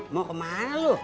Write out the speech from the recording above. mau kemana lu